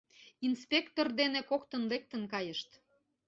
Инспектор дене коктын лектын кайышт.